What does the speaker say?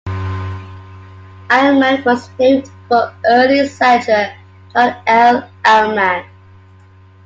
Alleman was named for early settler John L. Alleman.